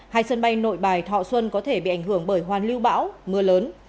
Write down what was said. hai sân bay nội bài thọ xuân có thể bị ảnh hưởng bởi hoàn lưu bão mưa lớn